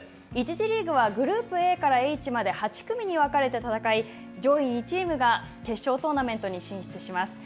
１次リーグはグループＡからＨまで８組に分かれて戦い、上位２チームが決勝トーナメントに進出します。